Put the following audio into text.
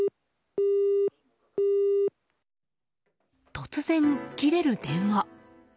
突然切れる電話。